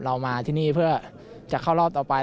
เรามาที่นี่เพื่อจะเข้ารอบต่อไป